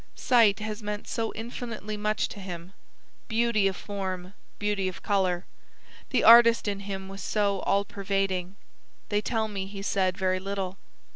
Sight has meant so infinitely much to him, beauty of form, beauty of colour. The artist in him was so all pervading. They tell me he said very little.